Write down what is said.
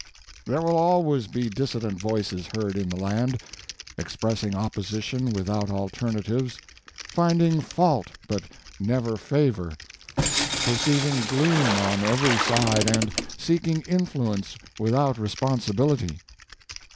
There will always be dissident voices heard in the land, expressing opposition without alternatives, finding fault but never favor, perceiving gloom on every side and seeking influence without responsibility.